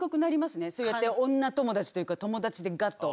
そうやって女友達というか友達でガッと。